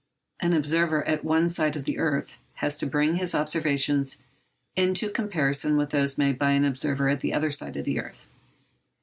An observer at one side of the earth has to bring his observations into comparison with those made by an observer at the other side of the earth.